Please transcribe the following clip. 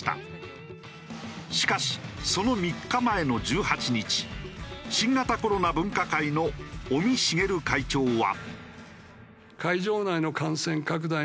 しかしその３日前の１８日新型コロナ分科会の尾身茂会長は。